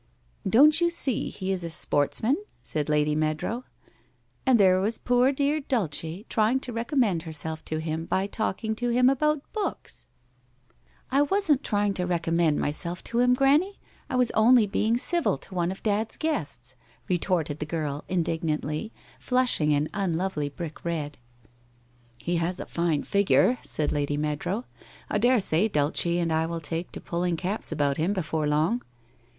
* Don't you see he is a sportsman? ' said Lady Meadrow. ' And there was poor dear Dulce trying to recommend her self to him by talking to him about books! ' 72 WHITE HOSE OF WEARY LEAF f 1 wasn't trying to recommend myself to him, Granny. I was only being civil to ono of Dad's guests,' retorted the girl indignantly, flushing an unlovely brick red. 1 He has a fine figure,' said Lady Meadrow. ' I dare say Dulce and I will take to pulling caps about him before long.'